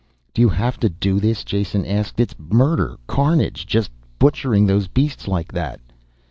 "Do you have to do this?" Jason asked. "It's murder carnage, just butchering those beasts like that."